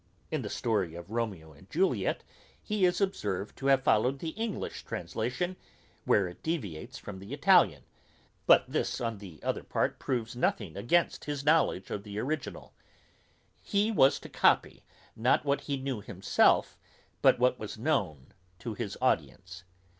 In the story of Romeo and Juliet he is observed to have followed the English translation, where it deviates from the Italian; but this on the other part proves nothing against his knowledge of the original. He was to copy, not what he knew himself, but what was known to his audience.